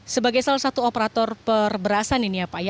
sebagai salah satu operator perberasan ini ya pak